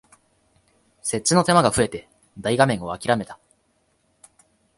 設置の手間が増えて大画面をあきらめた